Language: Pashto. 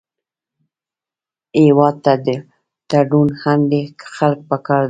هېواد ته روڼ اندي خلک پکار دي